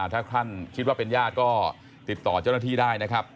ถ้าท่านคิดว่าเป็นญาติก็ติดต่อเจ้าหน้าที่ได้นะครับ